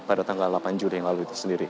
pada tanggal delapan juli yang lalu itu sendiri